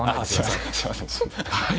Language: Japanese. すいません。